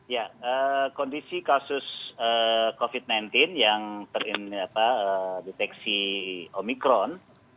ya kondisi kasus covid sembilan belas yang terinteksi omikron